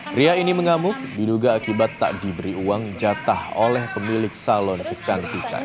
pria ini mengamuk diduga akibat tak diberi uang jatah oleh pemilik salon kecantikan